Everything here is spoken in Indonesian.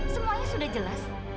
semuanya sudah jelas